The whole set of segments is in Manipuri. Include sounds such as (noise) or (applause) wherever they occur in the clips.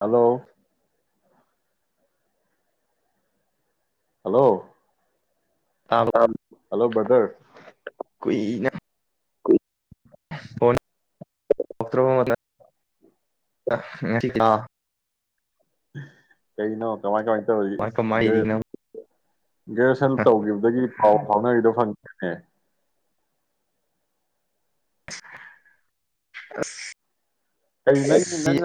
ꯍꯜꯂꯣ ꯍꯜꯂꯣ ꯇꯥꯕ ꯍꯜꯂꯣ ꯕꯗꯔ ꯐ ꯀꯔꯤꯅꯣ ꯀꯃꯥꯏ ꯀ ꯀꯃꯥꯏ ꯂꯩꯔꯤꯅꯣ ꯒ꯭ꯔꯦꯖꯨꯌꯦꯁꯟ ꯇꯧꯈꯤꯕꯗꯒꯤ ꯄꯥꯎ ꯐꯥꯎꯅꯔꯤꯗꯧ ꯐꯪ ꯍ ꯑ ꯀꯪ ꯅꯪ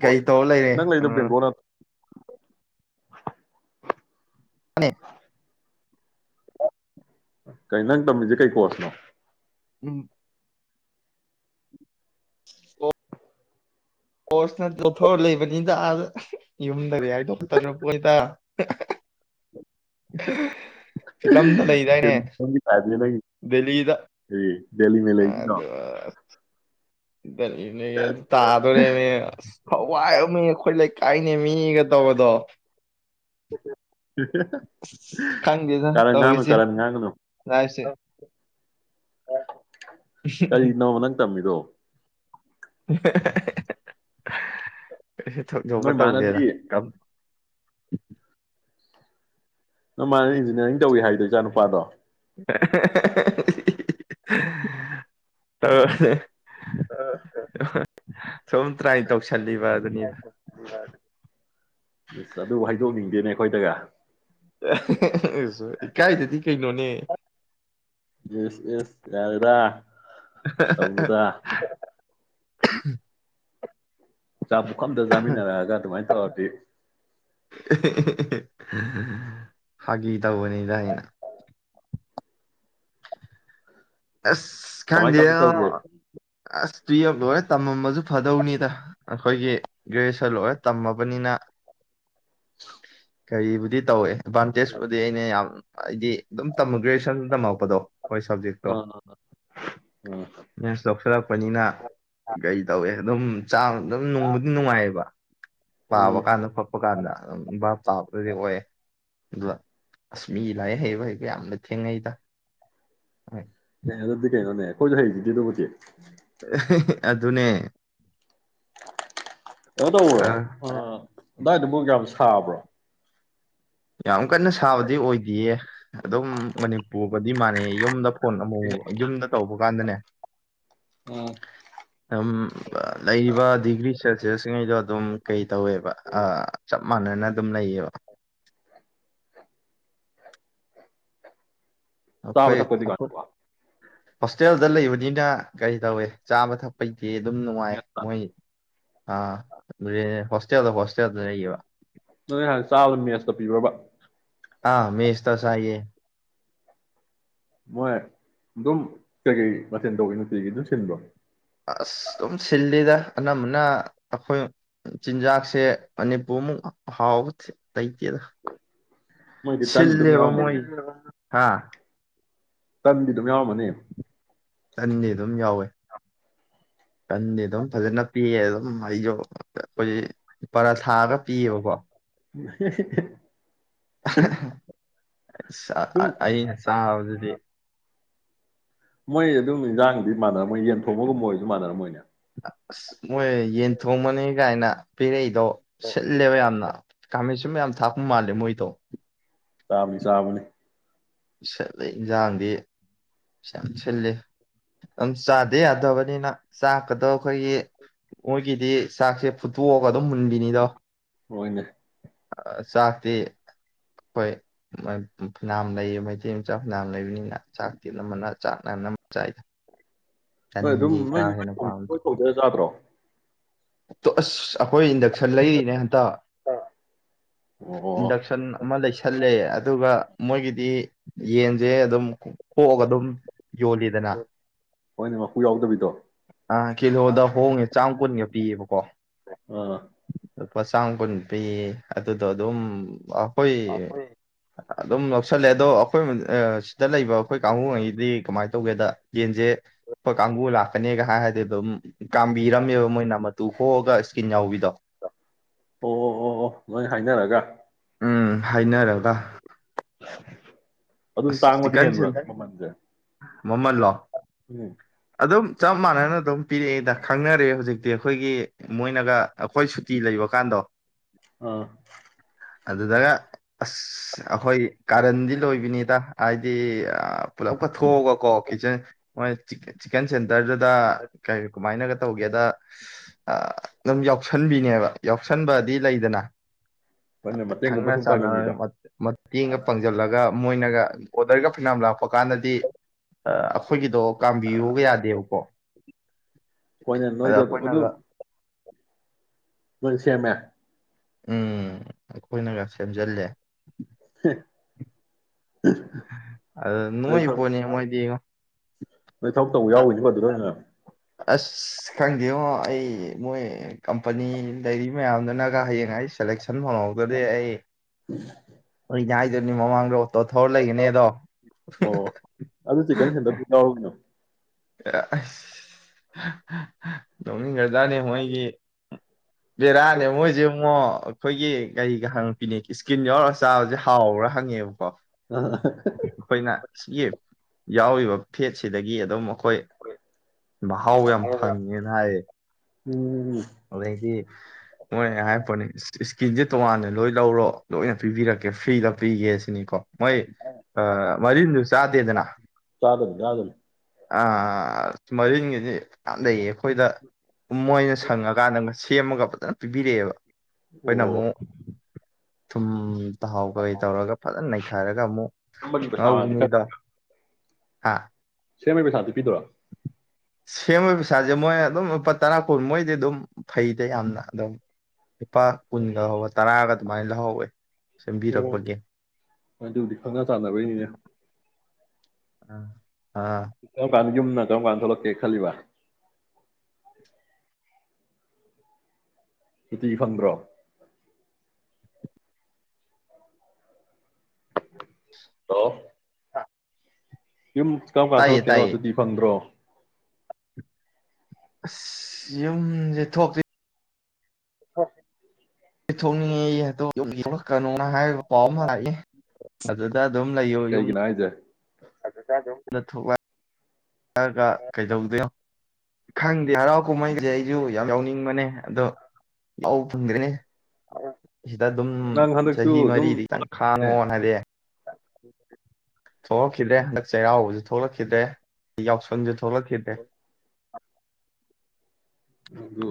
ꯀꯩ ꯇꯧꯔ ꯂꯩꯔꯦ ꯅꯪ ꯂꯩꯗ ꯕꯦꯡꯒꯣꯜ ꯅ ꯑꯅꯤ ꯀꯩ ꯅꯪ ꯇꯝꯃꯤꯖ ꯀꯩ ꯀꯣꯁꯅꯣ ꯎꯝ ꯅ ꯆꯊ ꯂꯩꯕꯅꯤꯗ ꯑꯗ ꯌꯗꯔꯤ ꯍꯥꯏꯗꯣ ꯇꯣꯄꯣꯣꯏꯇ (unintelligible) ꯂꯩꯗꯥꯏꯅꯦ ꯗꯦꯜꯂꯤꯗ ꯗꯦꯜꯂꯤ ꯃ ꯂꯩ ꯂꯩ ꯂꯩ ꯑꯗꯨ ꯇꯥꯗꯣꯣꯔꯦꯅꯦ ꯑ ꯍꯋꯥꯏ ꯑꯃꯃꯤ ꯑꯩꯈꯣꯏ ꯀꯥꯏꯅꯦ ꯃꯤꯅꯤꯒ ꯇꯧꯕꯗꯣ ꯎ ꯈꯪꯒꯦꯗ ꯇ ꯀꯥꯔꯟ ꯉꯥꯡꯅꯨ ꯍꯧꯁ ꯀꯥꯔꯟ ꯉꯥꯡꯒꯅꯨ ꯌꯥꯏꯁꯦ ꯀꯔꯤꯅꯣꯃ ꯅꯪ ꯇꯝꯃꯤꯔꯣ (unintelligible) ꯀꯩ ꯊꯣꯛ ꯊꯣꯛꯣꯛꯄ ꯅꯣꯏ ꯇꯧꯗꯦꯗ (inaudible) ꯃꯥꯅꯗꯤ ꯅ ꯃꯥ ꯏꯟꯖꯤꯅꯤꯌꯥꯔꯤ ꯇꯧꯋꯤ ꯍꯥꯏꯗꯣ ꯏꯆꯥ ꯅꯨꯄꯥꯗꯣ ꯇ ꯑ (unintelligible) ꯁꯨꯝ ꯇ꯭ꯔꯥꯏ ꯇꯧꯁꯜꯂꯤꯕ ꯑꯗꯨꯅꯤꯗ ꯑꯁ ꯑꯗꯨ ꯍꯥꯏꯗꯣꯛꯅꯤꯡꯗꯦꯅꯦ ꯑꯩꯈꯣꯏꯗꯒ ꯏꯀꯥꯏꯗꯗꯤ ꯀꯩꯅꯣꯅꯦ ꯌꯦꯁ ꯌꯦꯁ ꯌꯥꯔꯦꯗ ꯍꯧꯗ ꯎꯝ ꯆꯆꯥ ꯄꯨꯈꯝꯗ ꯆꯥꯃꯤꯟꯅꯔꯛꯑꯒ ꯑꯗꯨꯃꯥꯏ ꯇꯧꯔ ꯑꯩ ꯐꯒꯤ ꯇꯧꯕꯅꯤꯗ ꯍꯥꯏꯩꯅ ꯑꯁ ꯀꯃꯥꯏ ꯈꯥꯟꯗꯦ ꯀꯃꯥꯏ ꯇꯧꯒꯦ ꯑꯁ ꯇꯨꯌꯦꯜꯞ ꯂꯣꯏꯔꯦ ꯇꯝꯃꯝꯕꯁꯨ ꯐꯗꯧꯅꯤꯗ ꯑꯩꯈꯣꯏꯒꯤ ꯒ꯭ꯔꯦꯖꯨꯑꯦꯁꯟ ꯂꯣꯏꯔꯦ ꯇꯝꯃꯕꯅꯤꯅ ꯀꯔꯤꯕꯨꯗꯤ ꯇꯧꯏꯦ ꯥꯟꯇꯦꯖꯄꯗꯤ ꯑꯩꯅ ꯌꯥꯝ ꯍꯥꯏꯗꯤ ꯑꯗꯨꯝ ꯇꯝꯃꯨ ꯒ꯭ꯔꯦꯖꯨꯋꯦꯁꯟ ꯇꯝꯃꯛꯄꯗꯣ ꯍꯣꯏ ꯁꯕꯖꯦꯦꯛꯛꯇꯣ ꯑꯥ ꯑꯥ ꯃ ꯁꯣ ꯁꯔꯒ ꯄꯅꯤꯅꯥ ꯇ ꯑꯦ ꯑꯗꯨꯝ ꯆꯥꯡ ꯑꯗꯨꯝ ꯅꯨꯡꯕꯨꯗꯤ ꯅꯨꯡꯉꯥꯏꯌꯦꯕ ꯄꯥꯕ ꯎꯝ ꯀꯥꯟꯗ ꯐꯛꯄ ꯀꯥꯟꯗ ꯑꯗꯨꯝ ꯚꯕꯥꯞ ꯆꯥꯕꯗꯗꯤ ꯑꯣꯏꯌꯦ ꯑꯗꯨꯗ ꯑꯁꯃꯤ ꯂꯥꯏꯔꯤꯛ ꯍꯩꯕ ꯍꯩꯕ ꯌꯥꯝꯅ ꯊꯦꯡꯅꯩꯗ ꯍ ꯀꯩꯅꯅ ꯑꯗꯨꯗꯤ ꯀꯩꯅꯅꯅꯦ ꯑꯩꯣꯏ ꯍꯥꯏ ꯆꯖꯤꯗꯤꯕꯨ ꯑ ꯑꯗꯨꯅꯦ ꯑ ꯇ ꯎꯦ ꯈꯔ ꯑꯗꯨꯗꯥꯏꯗꯨꯕꯨ ꯀꯌꯥꯝ ꯁꯥꯕ꯭ꯔꯣ ꯌꯥꯝ ꯀꯟꯅ ꯁꯥꯕꯗꯤ ꯑꯣꯏꯗꯌꯦ ꯑꯗꯨꯝ ꯃꯅꯤꯄꯨꯔ ꯗꯤ ꯃꯥꯅꯦ ꯌꯨꯝꯗ ꯐꯣꯟ ꯑꯃꯨꯛꯃꯨꯛ ꯌꯨꯝꯗ ꯇꯧꯕ ꯀꯥꯟꯗꯅꯦ ꯎꯝ ꯑꯗꯨꯝ ꯂꯩꯔꯤꯕ ꯗꯤꯒ꯭ꯔꯤ ꯁꯦꯜꯁꯤꯌꯁꯁꯤꯡꯉꯩꯗꯣ ꯑꯗꯨꯝ ꯀꯩ ꯇꯧꯋꯦꯕ ꯑꯞ ꯃꯥꯟꯅꯅ ꯑꯗꯨꯝ ꯂꯩꯌꯦꯕ ꯆꯥꯕ ꯑꯄꯩ ꯊꯛꯄꯗꯤ ꯀꯃꯥꯏ ꯑꯄ ꯇꯧꯕ ꯍꯣꯁꯇꯦꯜꯗ ꯂꯩꯕꯅꯤꯅ ꯀꯔꯤ ꯇꯧꯋꯦ ꯆꯥꯕ ꯊꯛꯄ ꯐꯤ ꯑꯗꯨꯝ ꯅꯨꯡꯉꯥꯏ ꯃꯣꯏ ꯑꯥ ꯍꯣꯁꯇꯦꯜꯗ ꯍꯣꯁꯇꯦꯜꯗ ꯂꯩꯌꯦꯕ ꯆꯥꯕ ꯃꯦꯁꯇ ꯄꯤꯔꯔꯕ ꯑꯥ ꯃꯦꯁꯇ ꯆꯥꯏꯌꯦ ꯃꯣꯏ ꯑꯗꯨꯝ ꯀꯩꯀꯩ ꯃꯊꯦꯜ ꯇꯧꯋꯤ ꯅꯨꯡꯇꯤꯒꯤ ꯑꯗꯨꯝ ꯁꯤꯟꯕ꯭ꯔꯣ ꯑꯁ ꯑꯗꯨꯝ ꯁꯤꯜꯂꯤꯗ ꯑꯅꯝꯕꯅ ꯑꯩꯈꯣꯏ ꯆꯤꯟꯖꯥꯛꯁꯦ ꯃꯅꯤꯄꯨꯔꯃꯨꯛ ꯍꯥꯎꯕ ꯂꯩꯇꯦꯗ ꯃꯣꯏꯗꯤ ꯇꯟ ꯑꯗꯨꯝ ꯁꯤꯜꯂꯦꯕ ꯌꯥꯎꯔꯝꯃꯅꯤ ꯃꯣꯏ ꯍꯥ ꯇꯟꯗꯤ ꯑꯗꯨꯝ ꯌꯥꯎꯔꯝꯃꯅꯤ ꯇꯟꯗꯤ ꯑꯗꯨꯝ ꯌꯥꯎꯋꯦ ꯇꯟ ꯑꯗꯨꯝ ꯐꯖꯅ ꯄꯤꯌꯦ ꯑꯗꯨꯝ ꯑꯩꯖꯣ ꯑꯩꯈꯣꯏ ꯄꯔꯥꯊꯥꯒ ꯄꯤꯌꯦꯕꯀꯣ꯫ (unintelligible) ꯑꯗꯨꯝ (unintelligible) ꯑꯩꯅ ꯆꯥꯕꯖꯤꯗꯤ꯫ ꯃꯣꯏ ꯑꯗꯨꯝꯕ ꯏꯟꯖꯥꯡꯗꯤ ꯃꯥꯟꯅꯔꯝꯃꯣꯏ ꯌꯦꯟ ꯊꯣꯡꯕꯒꯨꯝꯕ ꯑꯣꯏꯔꯁꯨ ꯃꯥꯟꯅꯔꯝꯃꯣꯏꯅꯦ꯫ ꯑꯁ ꯃꯣꯏ ꯌꯦꯟ ꯊꯣꯡꯕꯅꯤ ꯒꯥꯏꯅ ꯄꯤꯔꯛꯏ꯫ ꯗꫭ ꯁꯤꯜꯂꯦꯕ ꯌꯥꯝꯅ꯫ ꯈꯥꯃꯦꯟꯁꯤꯟꯕ ꯌꯥꯝ ꯊꯥꯛꯄ ꯃꯥꯜꯂꯦ ꯃꯣꯏꯗꯣ꯫ ꯄꯥꯝꯗꯤ ꯆꯕꯅꯤ꯫ ꯁꯠꯂꯦ ꯌꯦꯟꯁꯥꯡꯗꯤ꯫ ꯌꯥꯝ ꯁꯤꯜꯂꯤ ꯑꯗꯨꯝ ꯆꯥꯗ ꯌꯥꯗꯕꯅꯤꯅ ꯆꯥ꯫ ꯀꯗꫭ ꯑꯈꯣꯏꯒꯤ꯫ ꯒꯤꯗꯤ ꯆꯥꯛꯁꯦ ꯐꯨꯠꯇꯣꯛ ꯑꯒ ꯑꯗꯨꯝ ꯃꯨꯟꯕꯤꯅꯤꯗꯣ ꯍꯣꯏꯅꯦ꯫ ꯆꯥꯛꯇꯤ ꯑꯈꯣꯏ ꯐꯅꯥꯝ ꯂꯩꯌꯦ ꯃꯩꯇꯩ ꯃꯆꯥ ꯐꯅꯥꯝ ꯂꯩꯕꯅꯤꯅ ꯆꯥꯛ꯫ ꯇꯤ ꯑꯅꯝꯕꯅ ꯆꯥꯛꯅ ꯑꯅꯝꯕ ꯆꯥꯏꯗ꯫ ꯅꯣꯏ ꯑꯗꯨꯝ ꯇꯟꯗꯦ ꯀꯥ ꯅꯣꯏ ꯍꯦꯟꯅ (unintelligible) ꯌꯥꯥꯗ꯭ꯔꯣ꯫ ꯇꫭ ꯑꯁ꯫ ꯑꯈꯣꯏ ꯏꯟꯗꯛꯁꯟ ꯂꯩꯔꯤꯅꯦ ꯍꯟꯇꯛ ꯑꯣ ꯏꯟꯗꯛꯁꯟ ꯑꯃ ꯂꯩꯁꯜꯂꯦ ꯑꯗꯨꯒ ꯃꯣꯏꯒꯤꯗꯤ꯫ ꯌꯦꯟꯁꯦ ꯑꯗꯨꯝ ꯀꯣꯛꯑꯒ ꯑꯗꯨꯝ ꯌꯣꯜꯂꯤꯗꯅ꯫ ꯍꯣꯏꯅꯦ ꯃꯄꯨ ꯌꯥꯎꯗꯕꯤꯗꯣ꯫ ꯑꯥ ꯑꯥ ꯀꯤꯂꯣꯗ ꯍꯣꯡꯉꯦ ꯆꯥꯝ ꯀꯨꯟꯒ ꯄꯤꯌꯦꯕꯀꯣ꯫ ꯂꯨꯄꯥ ꯆꯥꯝ ꯀꯨꯟ ꯄꯤ ꯑꯗꯨꯗꯣ ꯑꯗꯨꯝ ꯑꯥꯎ꯫ ꯍꯣꯏ꯫ ꯑꯩꯈꯣꯏ ꯑꯗꯨꯝ꯫ ꯁꯜꯂꯦ ꯑꯗꯣ ꯑꯈꯣꯏ ꯑ ꯁꯤꯗ ꯂꯩꯕ ꯑꯈꯣꯏ ꯀꯥꯡꯒꯨꯉꯩꯒꯤꯗꯤ꯫ ꯀꯃꯥꯏꯅ ꯇꯧꯒꯦꯗ ꯌꯦꯟꯁꯦ ꯈꫭꯏ ꯀꯥꯡꯕꯨ ꯂꯥ꯫ ꯀꯅꯦꯒ ꯍꯥꯏ ꯍꯥꯏꯔꯗꯤ ꯑꯗꯨꯝ ꯀꯥꯝꯕꯤꯔꯝꯃꯦꯕ ꯃꯣꯏꯅ ꯃꯇꯨ ꯈꯣꯛꯑꯒ ꯏꯁꯀꯤꯟ ꯌꯥꯎꯕꯤꯗꯣ꯫ ꯑꯣ ꯑꯣ ꯑꯣ ꯑꯣ ꯅꯣꯏ ꯍꯥꯏꯅꯔꯒ ꯎꯝ ꯍꯥꯏꯅꯔꯒ꯫ (unintelligible) ꯑꯗꯨꯝ ꯑꯁ ꯇꯥꯡꯕꯗꯤ ꯆꯤꯛꯀꯟ ꯍꯦꯟꯕ꯭ꯔꯥ ꯁꯦꯟ ꯃꯃꯜꯁꯦ ꯃꯃꯜ ꯂꯣ ꯎꯝ ꯑꯗꯨꯝ꯫ ꯆꯞ ꯃꯥꯟꯅꯅ ꯑꯗꯨꯝ ꯄꯤꯔꯛꯑꯦꯗ ꯈꯪꯅꯔꯦꯑꯦ ꯍꯧꯖꯤꯛꯇꯤ ꯑꯈꯣꯏꯒꯤ ꯃꯣꯏꯅꯒ ꯑꯈꯣꯏ ꯁꯨꯇꯤ ꯂꯩꯕ ꯀꯥꯟꯗꯣ꯫ ꯑꯥ꯫ ꯑꯗꯨꯗꯒ ꯑꯁ ꯑꯩꯈꯣꯏ ꯀꯥꯔꯟꯗꯤ ꯂꯣꯏꯕꯅꯤ꯫ ꯇ ꯍꯥꯏꯗꯤ ꯑ ꯄꯨꯂꯞ ꯀ ꯊꯣꯛꯑꯒ ꯀꯣ ꯀꯤꯆꯟ ꯆꯤꯀꯟ ꯁꯦꯟ꯫ ꯗꯔꯗꯨꯗ ꯀꯔꯤ ꯀꯃꯥꯏꯅꯒ ꯇꯧꯒꯦꯗꯨꯗ꯫ ꯑꯗꯨꯝ ꯌꯥꯎꯁꯟꯕꯤꯅꯦꯕ ꯌꯥꯎꯁꯟꯕꯗꯤ ꯂꯩꯗꯅ꯫ ꯅꯣꯏꯅ ꯃꯇꯦꯡꯒꯨꯝꯕ ꯈꯪꯅ ꯁꯨꯝ ꯆꯥꯟꯅ ꯄꯥꯡꯅꯤꯡꯕꯤꯗꯣ ꯃꯇꯦꯡꯒ ꯄꯥꯡꯖꯜꯂꯒ ꯃꯣꯏꯅꯒ꯫ ꯑꯣꯗꯔꯒ ꯐꯅꯥꯝ ꯂꯥꯛꯄ ꯀꯥꯟꯗꯗꯤ ꯑꯩꯈꯣꯏꯒꯤꯗꯣ ꯀꯥꯝꯕꯤꯌꯨꯒ ꯌꯥꯗꯦꯕꯀꯣ ꯀꯣꯏꯅꯦ ꯑꯗ ꯅꯣꯏꯗ ꯑꯗꯨ ꯑꯩꯈꯣꯏꯅꯒ ꯅꯣꯢꯅ ꯁꯦꯝꯃꯦ ꯎꯝ ꯑꯩꯈꯣꯏꯅꯒ ꯁꯦꯝꯖꯜꯂꯦ ꯍꯦ ꯑꯗ ꯅꯣꯏ ꯄꯣꯅꯤ ꯃꯣꯢꯗꯤꯉꯣ ꯅꯣꯏ ꯊꯕꯛ ꯇꯧꯕ ꯌꯥꯎꯒꯤꯅꯤꯀꯣ ꯑꯗꯨ ꯑꯣꯢꯅ ꯑꯁ ꯈꯪꯗꯦꯉꯣ ꯑꯩ ꯃꯣꯏ ꯀꯝꯄꯅꯤ ꯂꯩꯔꯤ ꯃꯌꯥꯝꯗꯨꯅꯒ ꯍꯌꯦꯡ ꯑꯩ ꯁꯦꯂꯦꯛꯁꯟ ꯐꯪꯍꯧꯗꯗꯤ ꯑꯩ (inaudible) ꯑꯩꯅ ꯍꯥꯏꯗꯨꯏꯅꯤ ꯃꯃꯥꯡꯗ ꯑꯣꯇꯣ ꯊꯧꯔ ꯂꯩꯒꯅꯦ ꯑꯗꯣ ꯑꯣ ꯑꯗꯨ ꯆꯤꯛꯀꯟ ꯁꯦꯟꯇꯔꯗꯨ ꯌꯥꯎꯔꯨꯒꯤꯅꯣ ꯑ ꯑꯁ ꯅꯣꯛꯅꯤꯡꯒ꯭ꯔꯖꯥꯅꯦ ꯃꯣꯏꯒꯤ ꯕꯦꯔꯥꯅꯦ ꯃꯣꯏꯁꯦꯉꯣ ꯑꯩꯈꯣꯏꯒꯤ ꯒꯥꯔꯤꯒꯍꯥꯡ ꯄꯤꯅꯦ ꯏꯁꯀꯤꯟ ꯌꯥꯎꯔꯒ ꯆꯥꯕꯁꯦ ꯍꯥꯎꯔꯥ ꯍꯪꯉꯦꯕꯀꯣ ꯑꯥ ꯑꯩꯈꯣꯏꯅ ꯁꯤꯒꯤ ꯌꯥꯎꯔꯤꯕ ꯐꯦꯠꯁꯤꯗꯒꯤ ꯑꯗꯨꯝ ꯑꯩꯈꯣꯏ ꯃꯍꯥꯎ ꯌꯥꯝ ꯐꯪꯉꯦꯅ ꯍꯥꯏꯌꯦ ꯎꯝ ꯑꯗꯒꯤ (inaudible) ꯃꯣꯢ ꯍꯥꯢꯄꯣꯠꯅꯤ ꯀꯦꯖꯤ ꯇꯣꯉꯥꯟꯅ ꯂꯣꯏ ꯂꯧꯔꯣ ꯂꯣꯏꯅ ꯄꯤꯕꯤꯔꯛꯀꯦ ꯐ꯭ꯔꯤꯗ ꯄꯤꯒꯦ ꯁꯤ ꯅꯤꯀꯣ ꯃꯣꯏ ꯃꯔꯤꯟꯗꯨ ꯆꯥꯗꯦꯗꯅ ꯆꯥꯗꯕꯅꯤ ꯆꯥꯗꯕꯅꯤ ꯑ ꯃꯔꯤꯟꯒꯤꯗꯤ ꯌꯥꯝ ꯂꯩꯌꯦ ꯑꯩꯈꯣꯏꯗ ꯃꯣꯏꯅ ꯁꯪꯉꯛ ꯅꯪ ꯁꯦꯝꯃꯒ ꯐꯖꯅ ꯄꯤꯕꯤꯔꯛꯑꯦꯕ ꯑꯣ ꯑꯩꯈꯣꯏꯅꯃꯨꯛ ꯊꯨꯝ ꯊꯥꯎ ꯀꯩ ꯇꯧꯔꯒ ꯐꯖꯅ ꯅꯩꯈꯥꯏꯔꯒ ꯑꯃꯨꯛ ꯁꯦꯝꯕꯒꯤ ꯄꯩꯁꯥꯗꯤ ꯈꯔ ꯉꯧꯕꯤꯅꯤꯗꯣ ꯍꯥꯥ ꯁꯦꯝꯕꯩ ꯄꯩꯁꯥꯗꯤ ꯄꯤꯗꯣꯏꯔꯥ ꯁꯦꯝꯕꯩ ꯄꯩꯁꯥꯁꯦ ꯃꯣꯏ ꯑꯗꯨꯝ ꯂꯨꯄꯥ ꯇꯔꯥ ꯀꯨꯟ ꯃꯣꯏꯗꯤ ꯑꯗꯨꯝ ꯐꯩꯗꯦ ꯌꯥꯝꯅ ꯑꯗꯨꯝ ꯂꯨꯄꯥ ꯀꯨꯟꯒꯍꯧꯕ ꯇꯔꯥꯒ ꯑꯗꯨꯃꯥꯏꯅ ꯂꯧꯍꯧꯋꯦ ꯑꯣ ꯁꯦꯝꯕꯤꯔꯛꯄꯒꯤ ꯑꯗꯨꯗꯤ ꯈꯪꯅ ꯆꯥꯟꯅꯕꯩꯅꯤꯅꯦ ꯑꯥ ꯀ ꯌꯨꯝꯅ ꯀꯔꯝ ꯀꯥꯟꯗ ꯊꯣꯛꯂꯛꯀꯦ ꯈꯜꯂꯤꯕ ꯁꯨꯇꯤ ꯐꯪꯕ꯭ꯔꯣ ꯍꯂꯣ ꯌꯨꯝ ꯀꯔꯝ ꯀꯥꯟꯗ ꯇꯥꯏꯌꯦ ꯊꯣꯛꯂꯛꯇꯣꯏꯅꯣ ꯇꯥꯏꯌꯦ ꯑꯗꯨꯗꯤ ꯐꯪꯗ꯭ꯔꯣ ꯑꯁ ꯌꯨꯝꯁꯦ ꯊꯣꯛꯇ꯭ꯔꯤ ꯍ ꯊꯣꯛꯣꯡꯅꯤꯡꯉꯦꯛꯀꯅꯣ ꯍꯥꯏ ꯀꯣꯝꯔꯏꯌꯦ ꯑ ꯑꯗꯨꯝ ꯂꯩꯌꯣ ꯌꯨꯝ ꯍ ꯑꯗꯨꯗꯣ ꯆꯥꯗꯣ ꯒ ꯀꯩꯗꯧꯗꯦ ꯈꯪꯗꯦ ꯍꯔꯥꯎ ꯀꯨꯝꯍꯩꯒꯤꯗꯤ ꯑꯩꯁꯨ ꯌꯥꯝ ꯌꯥꯎꯅꯤꯡꯕꯅꯦ ꯑꯗꯣ ꯌꯥꯎ ꯐꯪꯗ꯭ꯔꯦꯅꯦ ꯁꯤꯗ ꯑꯗꯨꯝ ꯅꯪ ꯍꯟꯗꯛꯁꯨ ꯆꯍꯤ ꯑꯗꯨꯝ ꯃꯔꯤꯗꯤ ꯈꯤꯇꯪ ꯈꯥꯡꯉꯣꯅ ꯍꯥꯏꯗꯤ ꯎ ꯊꯣꯛꯂꯛꯈꯤꯗ꯭ꯔꯦ ꯍꯟꯗꯛ ꯆꯩꯔꯥꯎꯕꯁꯨ ꯊꯣꯛꯂꯛꯈꯤꯗ꯭ꯔꯦ ꯌꯥꯎꯁꯪꯁꯨ ꯊꯣꯛꯂꯛꯈꯤꯗ꯭ꯔꯦ ꯑꯗꯨ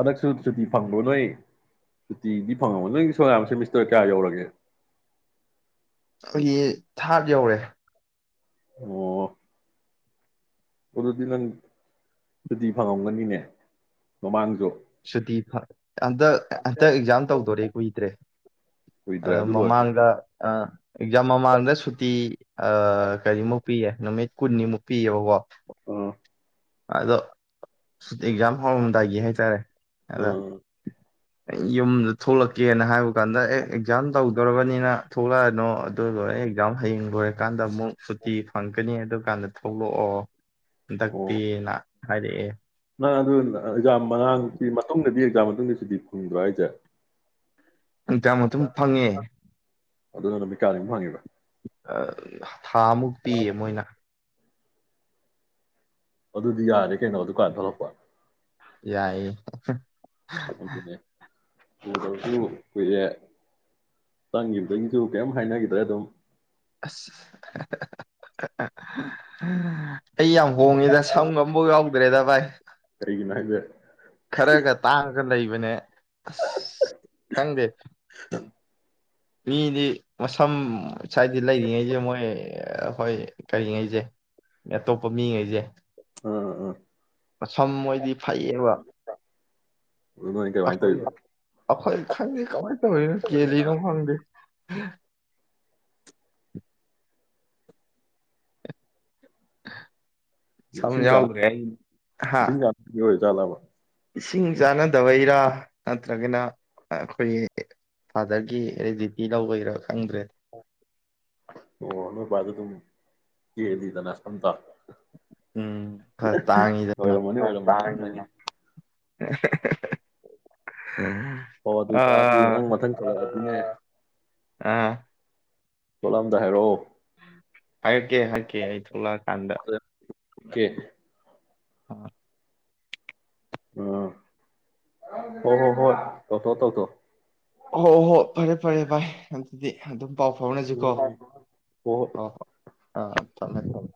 ꯍꯟꯗꯛꯁꯨ ꯁꯨꯇꯤ ꯐꯪꯗꯣ ꯅꯣꯏ ꯆꯨꯇꯤꯗꯤ ꯐꯪꯉꯃ ꯅꯣꯏ ꯁꯣ ꯁꯦꯃꯤꯁꯇꯔ ꯀꯌꯥ ꯌꯧꯔꯒꯦ ꯑꯩꯈꯣꯏꯒꯤ ꯊꯥꯔꯠ ꯌꯧꯔꯦ ꯑꯣ ꯑꯣꯜꯔꯗꯤ ꯅꯪ ꯁꯨꯇꯤ ꯐꯪꯉꯝꯒꯅꯤꯅꯦ ꯃꯃꯥꯡꯁꯨ ꯁꯨꯇꯤ ꯍꯟꯗꯛ ꯍꯟꯗꯛ ꯑꯦꯛꯖꯥꯝ ꯇꯧꯗꯣꯔꯦ ꯀꯨꯏꯗ꯭ꯔꯦ ꯑ ꯀꯨꯏꯗ꯭ꯔꯦ ꯑꯗꯨ ꯂꯣꯏꯔꯒꯗꯤ ꯃꯃꯥꯡꯗ ꯑꯦꯛꯖꯥꯝ ꯃꯃꯥꯡꯗ ꯁꯨꯇꯤ ꯑ ꯀꯔꯤꯃꯨꯛ ꯄꯤꯌꯦ ꯅꯨꯃꯤꯠ ꯀꯨꯟꯅꯤꯃꯨꯛ ꯄꯤꯑꯕꯕꯣ ꯑ ꯑꯗꯣ ꯑꯦꯛꯖꯥꯝ ꯍꯧꯔꯝꯗꯥꯏꯒꯤ ꯍꯥꯏꯇꯥꯔꯦ ꯑꯗꯣ ꯑꯥ ꯑꯩ ꯌꯨꯝꯗ ꯊꯣꯛꯂꯛꯀꯦꯅ ꯍꯥꯏꯕ ꯀꯥꯟꯗ ꯑꯦ ꯑꯦꯛꯖꯥꯝ ꯇꯧꯗꯣꯔꯔꯕꯅꯤꯅ ꯊꯣꯛꯂꯛꯑꯅꯨ ꯑꯗꯨ ꯂꯣꯏꯔꯦ ꯑꯦꯛꯖꯥꯝ ꯍꯌꯦꯡ ꯂꯣꯏꯔꯀꯥꯟꯗ ꯑꯃꯨꯛ ꯁꯨꯔꯇꯤ ꯐꯪꯒꯅꯤ ꯑꯗꯨꯀꯥꯟꯗ ꯊꯣꯛꯂꯛꯑꯣ ꯍꯟ ꯑꯣ ꯗꯛꯇꯤꯅ ꯍꯥꯏꯔꯛꯑꯦ ꯑꯗꯨ ꯏꯂ ꯑꯦꯛꯖꯥꯝ ꯃꯉꯥꯡꯒꯤ ꯃꯇꯨꯡꯗꯗꯤ ꯑꯦꯛꯖꯥꯝ ꯞꯀꯨꯟꯗ꯭ꯔ ꯍꯥꯏꯖꯦ ꯏꯟꯖꯥꯡ ꯑꯗꯨꯝ ꯐꯪꯉꯦ ꯑꯗꯨꯅ ꯅꯨꯃꯤꯠꯀꯥꯅꯤꯝ ꯐꯪꯉꯤꯕ ꯑꯥ ꯊꯥꯃꯨꯛ ꯄꯤꯌꯦ ꯃꯣꯏꯅ ꯑꯗꯨꯗꯤ ꯌꯥꯔꯦ ꯀꯩꯅꯣ ꯑꯗꯨꯀꯥꯟ ꯊꯣꯛꯂꯛꯄ ꯌꯥꯏꯌꯦ ꯑꯗꯨꯅꯦ ꯑꯨꯗꯕꯖꯨ ꯀꯨꯏꯔꯦ ꯆꯪꯒꯤꯕꯗꯒꯤꯖꯨ ꯀꯔꯤꯝ ꯍꯥꯏꯅꯈꯤꯗ꯭ꯔꯦ ꯑꯗꯨꯝ ꯑꯁ (unintelligible) ꯑꯩ ꯌꯥꯝ ꯍꯣꯡꯉꯦꯗ ꯁꯝꯒ ꯑꯝꯕꯥꯎ ꯌꯥꯎ ꯗ꯭ꯔꯦꯗ ꯚꯥꯏ ꯀꯩꯒꯤꯅꯣ ꯍꯥꯏꯁꯦ ꯈꯔꯒ ꯇꯥꯡꯉꯒ ꯂꯩ (unintelligible) ꯑꯁ ꯈꯪꯗꯦ ꯃꯤꯗꯤ ꯃꯁꯝ ꯁ꯭ꯋꯥꯏꯗ ꯂꯩꯔꯤꯉꯩꯁꯦ ꯃꯣꯏ ꯍꯣꯏ ꯀꯔꯤꯉꯩꯁꯦ ꯑꯇꯣꯞꯄ ꯃꯤꯉꯩꯁꯦ ꯎꯝ ꯎꯝ ꯁꯝ ꯃꯣꯏꯗꯤ ꯐꯩꯌꯦꯕ ꯑꯗꯨ ꯅꯣꯏ ꯀꯃꯥꯏꯅ ꯑꯩꯈꯣꯏ ꯇꯧꯔꯤꯕ ꯑꯩꯈꯣꯏ ꯈꯪꯗꯦ ꯀꯃꯥꯏꯅ ꯇꯧꯔꯤꯅꯣ ꯀꯦꯜꯂꯤꯅꯣ ꯈꯪꯗꯦ (unintelligible) ꯏꯁꯤꯡ ꯆꯥ ꯁꯝꯍꯥꯎꯗ꯭ꯔꯦ ꯍꯥꯥ ꯖꯂꯕ ꯏꯁꯤꯡ ꯆꯥꯟꯅꯗꯕꯩꯔ ꯅꯠꯇ꯭ꯔꯒꯅ ꯑꯈꯣꯏꯒꯤ ꯐꯥꯗꯔꯒꯤ ꯔꯦꯗꯤꯇꯤ ꯂꯧꯕꯩꯔꯥ ꯑꯣ ꯅꫭꯏꯄꯥꯖꯨ ꯑꯗꯨꯝ ꯀꯦꯜꯂꯤꯗꯅ ꯁꯝꯗꫭ ꯎꯝ ꯈꯔ (unintelligible) ꯇꯥꯡꯉꯤꯗꯅ ꯑꯣꯏꯔꯝ ꯃꯅꯤ ꯑꯣꯏꯔꯝ ꯃꯅꯤ (unintelligible) ꯑꯥ ꯑ ꯑꯥ ꯊꫭꯛꯂꯝꯗꯥꯏ ꯍꯥꯏꯔꯛꯑꫭ ꯍꯥꯏꯔꯛꯀꯦ ꯍꯥꯏꯛꯀꯦ ꯑꯩ ꯊꯣꯛꯂꯛꯑꯀꯥꯟꯗ ꯀꯦ ꯑ ꯎꯝ ꯍꯣ ꯍꯣ ꯍꯣ ꯇꯧꯊꯣꯛꯑꫭ ꯇꯧꯊꫭꯛꯑꫭ ꯍꯣ ꯍꯣ ꯐꯔꯦ ꯐꯔꯦ ꯚꯥꯏ ꯑꯗꯨꯗꯤ ꯑꯗꯨꯝ ꯄꯥꯎ ꯎꯝ ꯐꯥꯎꯅꯁꯤꯀꯣ ꯎꯝ ꯍꯣꯏ ꯍꯣꯏ (unintelligible) ꯑ ꯊꯝꯃꯦ ꯊꯝꯃꯦ